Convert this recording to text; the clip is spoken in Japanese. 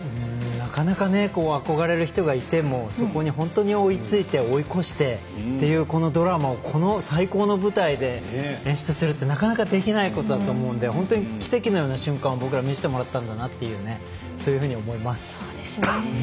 なかなか憧れる人がいてもそこに、本当に追いついて追い越してというこのドラマをこの最高の舞台で演出するってなかなかできないことだと思うので、奇跡のような瞬間を僕らは見せてもらったんだなとそういうふうに思います。